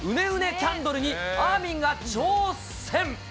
キャンドルにあーみんが挑戦。